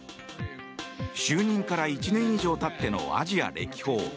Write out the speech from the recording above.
就任から１年以上たってのアジア歴訪。